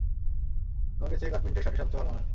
তোমাকে চেক আর প্রিন্টের শার্টে সবচেয়ে ভালো মানায়।